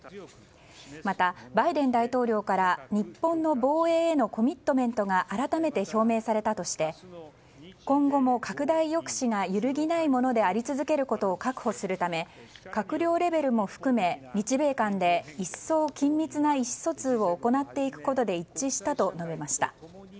また、バイデン大統領から日本の防衛へのコミットメントが改めて表明されたとして今後も拡大抑止がゆるぎないものであり続けることを確保するため、閣僚レベルも含め日米間で一層緊密な意思疎通を行っていくことで一致したと述べました。